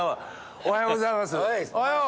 おはようございます。